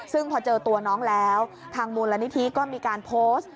ซึ่งพอเจอตัวน้องแล้วทางมูลนิธิก็มีการโพสต์